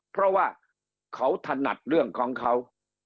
เพราะว่าเขาถนัดเรื่องของเขา